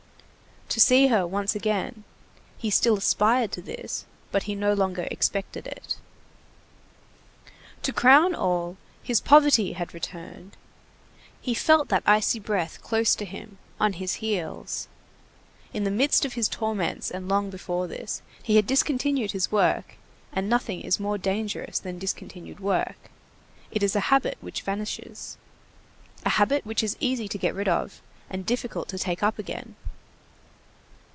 To see her once again; he still aspired to this, but he no longer expected it. To crown all, his poverty had returned. He felt that icy breath close to him, on his heels. In the midst of his torments, and long before this, he had discontinued his work, and nothing is more dangerous than discontinued work; it is a habit which vanishes. A habit which is easy to get rid of, and difficult to take up again.